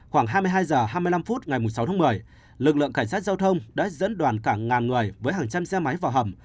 khoảng hai mươi hai h hai mươi năm phút ngày sáu tháng một mươi lực lượng cảnh sát giao thông đã dẫn đoàn cả ngàn người với hàng trăm xe máy vào hầm